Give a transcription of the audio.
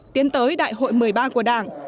tiến tới đại hội một mươi ba của đảng